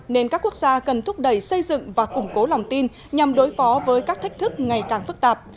nên các quốc gia cần thúc đẩy xây dựng và củng cố lòng tin nhằm đối phó với các thách thức ngày càng phức tạp